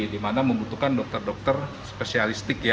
di mana membutuhkan dokter dokter spesialistik